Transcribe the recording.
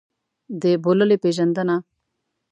د بوللې پېژندنه.